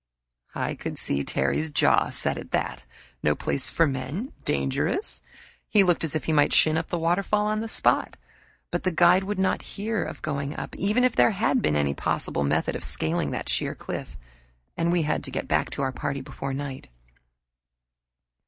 I could see Terry's jaw set at that. No place for men? Dangerous? He looked as if he might shin up the waterfall on the spot. But the guide would not hear of going up, even if there had been any possible method of scaling that sheer cliff, and we had to get back to our party before night.